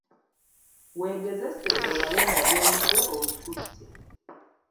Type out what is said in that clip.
Weegezese olabe nga by'oyize obikutte.